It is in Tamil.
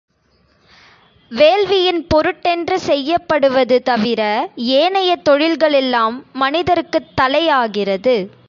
வேள்வியின் பொருட்டென்று செய்யப்படுவது தவிர ஏனைய தொழில்களெல்லாம் மனிதருக்குத் தளையாகிறது.